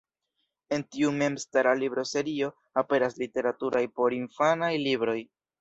En tiu memstara libroserio aperas literaturaj porinfanaj libroj.